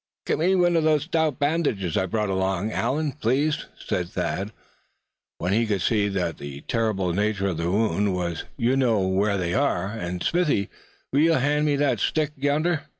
"Get me one of those stout bandages I brought along, Allan, please," said Thad, when he could see what the terrible nature of the wound was; "you know where they are. And Smithy, will you hand me that stick yonder?"